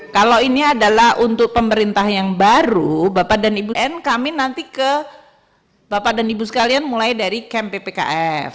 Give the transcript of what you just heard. kalau ini adalah untuk pemerintah yang baru bapak dan ibu n kami nanti ke bapak dan ibu sekalian mulai dari camp ppks